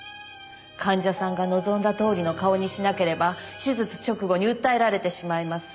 患者さんが望んだとおりの顔にしなければ手術直後に訴えられてしまいます。